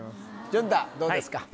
淳太どうですか？